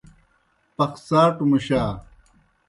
پخڅاٹوْ مُشا۔